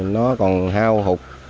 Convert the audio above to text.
nó còn hao hụt